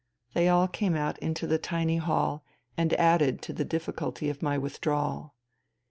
They all came out into the tiny hall and added to the difficulty of my withdrawal.